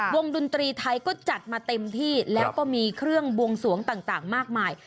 ดนตรีไทยก็จัดมาเต็มที่แล้วก็มีเครื่องบวงสวงต่างมากมาย